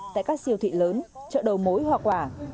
tại các siêu thị lớn chợ đầu mối hoa quả